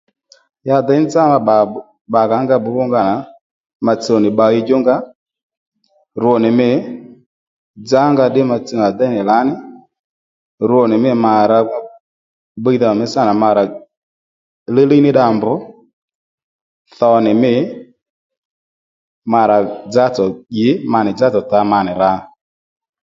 Ya děy nzá ma bbà bbǎkǎ nga bbǔbbúnga nà ma tsuw nì bbay djú nga rwo nì mǐ dzá nga ddí ma tsuw nì à dey nì lǎní rwo nì mǐ ma nì rǎ bbíydha ò mí sǎ nà ma rà líylíy ní dda mbr tho nì mî ma rà dzá-tsò ǐ ma nì dzá-tsò tǎ ma nì rǎ